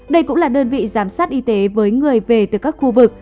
đây cũng là đơn vị giám sát y tế với người về từ các khu vực